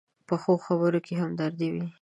پخو خبرو کې همدردي وي